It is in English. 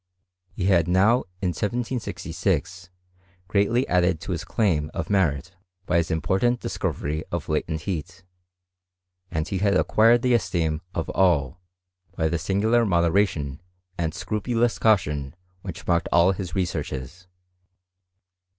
He had now, in 1766, greatly added to his claim of merit by his important discovery of latent heat ; and he had acquired the esteem of all by the singular mo deration and scrupulous caution which marked all his researches.